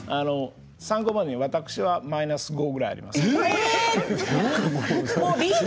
参考までに私はマイナス５ぐらいあります。